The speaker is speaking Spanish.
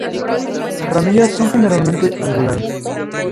Las ramillas son generalmente angulares.